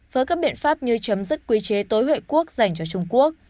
với các biện pháp như chấm dứt quy chế tối huệ quốc dành cho trung quốc